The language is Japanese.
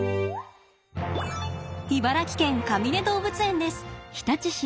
茨城県かみね動物園です。